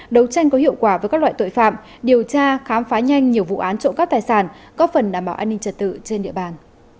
đấu tranh có hiệu quả với các loại tội phạm điều tra khám phá nhanh nhiều vụ án trộm các tài sản có phần đảm bảo an ninh trật tự trên địa bàn